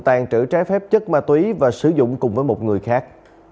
tàn trữ trái phép chất ma túy và sử dụng cùng với một người khác